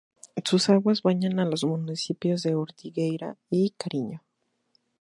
Sus aguas bañan a los municipios de Ortigueira y Cariño.